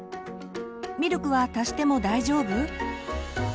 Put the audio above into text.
「ミルクは足しても大丈夫？」。